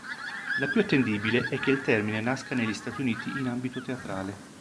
La più attendibile è che il termine nasca negli Stati Uniti in ambito teatrale.